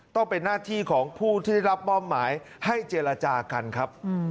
ต้องเป็นหน้าที่ของผู้ที่ได้รับมอบหมายให้เจรจากันครับ